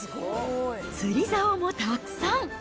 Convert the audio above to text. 釣りざおもたくさん。